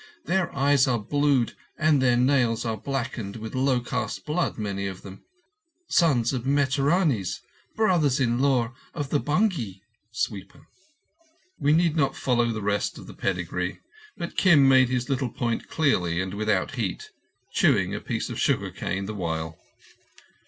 "Their eyes are blued and their nails are blackened with low caste blood, many of them. Sons of mehteeranees—brothers in law to the bhungi (sweeper)." We need not follow the rest of the pedigree; but Kim made his little point clearly and without heat, chewing a piece of sugar cane the while.